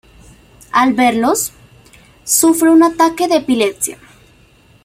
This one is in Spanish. Al verlos, sufre un ataque de epilepsia.